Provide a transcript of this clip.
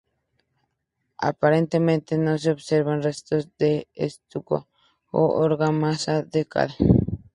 Aparentemente no se observan restos de estuco o argamasa de cal.